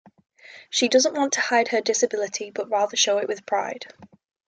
She doesn't want to hide her disability but rather show it with pride.